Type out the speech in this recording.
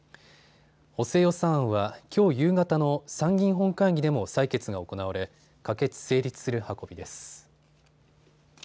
補正予算案はきょう夕方の参議院本会議でも採決が行われ可決・成立する運びです。